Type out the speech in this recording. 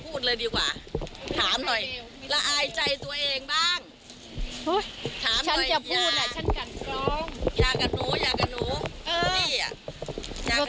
คนนี้นี่ไงคนโม่ไงถึงให้พวกมึงหลอกได้ไง